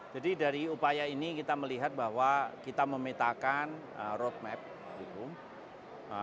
jadi dari upaya ini kita melihat bahwa kita memetakan road map di bumn